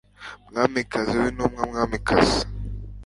mwamikazi w'intumwa, mwamikazi